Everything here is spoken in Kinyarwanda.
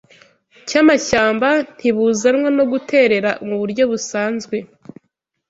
cyamashyamba ntibuzanwa no guterera muburyo busanzwe